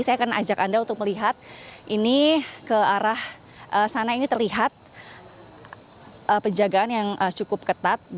saya akan ajak anda untuk melihat ini ke arah sana ini terlihat penjagaan yang cukup ketat